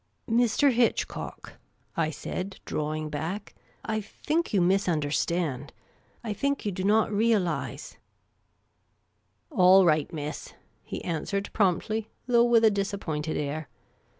" Mr. Hitchcock," I said, drawing back, " I think you misunderstand. I think you do not realise "" All right, miss," he answered promptly, though with a disappointed air.